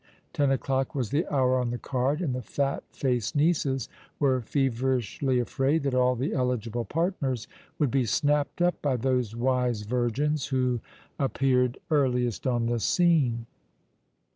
Ten o'clock was the hour on the card, and the fat faced nieces were feverishly afraid that all the eligible partners would be snapped up by those wise virgins who appeared earliest on the scene.